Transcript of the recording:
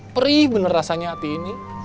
perih benar rasanya hati ini